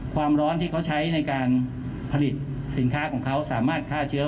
ความร้อนที่เขาใช้ในการผลิตสินค้าของเขาสามารถฆ่าเชื้อ